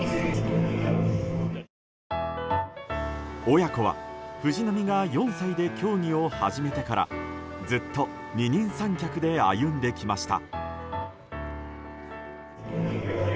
親子は藤波が４歳で競技を始めてからずっと二人三脚で歩んできました。